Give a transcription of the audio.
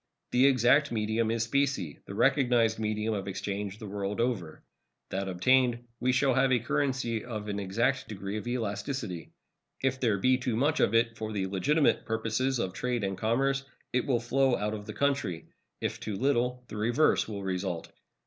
The exact medium is specie, the recognized medium of exchange the world over. That obtained, we shall have a currency of an exact degree of elasticity. If there be too much of it for the legitimate purposes of trade and commerce, it will flow out of the country. If too little, the reverse will result.